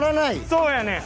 そうやねん。